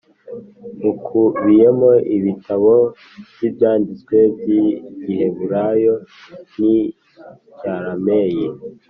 Bukubiyemo ibitabo byi Ibyanditswe by igiheburayo n icyarameyi